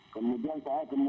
kemudian saya ke jambuanga